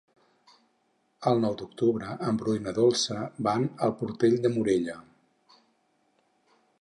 El nou d'octubre en Bru i na Dolça van a Portell de Morella.